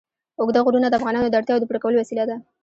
اوږده غرونه د افغانانو د اړتیاوو د پوره کولو وسیله ده.